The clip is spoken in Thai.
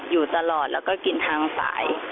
อยู่ตลอดแล้วก็กินทางสาย